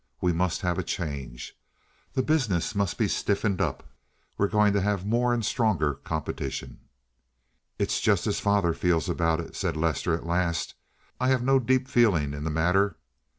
We must have a change. The business must be stiffened up; we're going to have more and stronger competition." "It's just as father feels about it," said Lester at last. "I have no deep feeling in the matter.